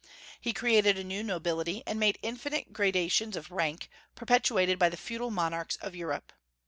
He created a new nobility, and made infinite gradations of rank, perpetuated by the feudal monarchs of Europe.